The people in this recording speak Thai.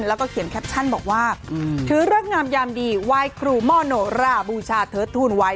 แล้วก็เขียนแคปชั่นบอกว่าถือเลิกงามยามดีไหว้ครูหม้อโนราบูชาเทิดทูลไว้